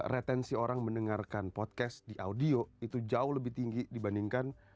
jadi orang mendengarkan podcast di audio itu jauh lebih tinggi dibandingkan